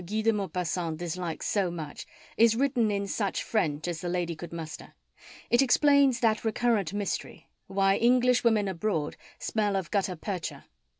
Guy de Maupassant dislikes so much, is written in such French as the lady could muster. It explains that recurrent mystery, why Englishwomen abroad smell of gutta percha.